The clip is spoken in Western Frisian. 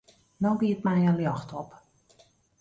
No giet my in ljocht op.